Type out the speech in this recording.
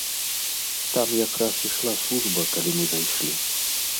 Там якраз ішла служба, калі мы зайшлі.